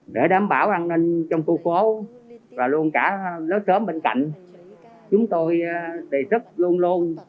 để đảm bảo an ninh trong khu phố và luôn cả lối cơm bên cạnh chúng tôi đề xuất luôn luôn